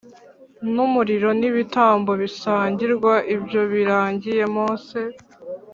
N umuriro n ibitambo bisangirwa ibyo birangiye mose